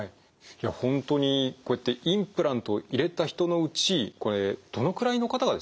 いやほんとにこうやってインプラントを入れた人のうちこれどのくらいの方がですね